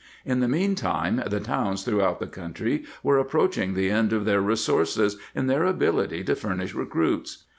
^ In the meantime the towns throughout the country were approaching the end of their re sources in their ability to furnish recruits.